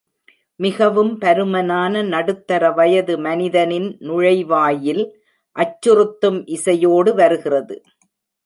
மிகவும் பருமனான நடுத்தர வயது மனிதனின் நுழைவாயில், அச்சுறுத்தும் இசையோடு வருகிறது.